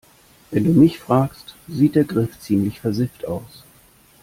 Wenn du mich fragst, sieht der Griff ziemlich versifft aus.